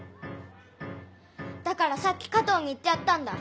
だからさっき加藤に言ってやったんだ。